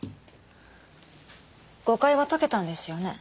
誤解は解けたんですよね？